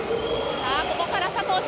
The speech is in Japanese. ここから佐藤翔